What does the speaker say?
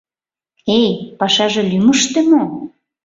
Эй, пашаже лӱмыштӧ мо?